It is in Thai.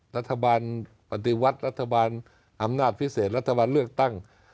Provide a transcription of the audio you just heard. รัฐบาลปฏิวัติรัฐบาลอำนาจพิเศษรัฐบาลเลือกตั้ง